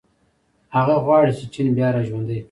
هغه غواړي چې چین بیا راژوندی کړي.